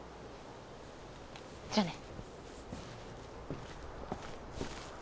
じゃあね。